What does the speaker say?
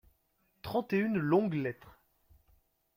Trente et une longues lettres.